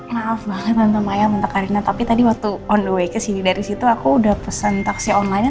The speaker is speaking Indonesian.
maaf banget tante mayang tante karina tapi tadi waktu on the way ke sini dari situ aku udah pesen taksi online nya